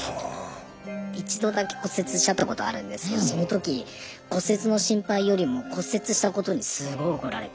一度だけ骨折しちゃったことあるんですけどその時骨折の心配よりも骨折したことにすごい怒られて。